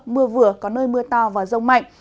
mưa vừa có nơi mưa to và rông mạnh